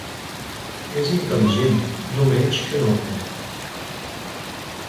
És intel·ligent no menys que noble.